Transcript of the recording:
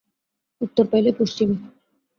উত্তর পাইল, পশ্চিমে।